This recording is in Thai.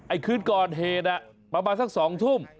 ไอ้คืนก่อนเหน่าประมาณสักสองทุ่ม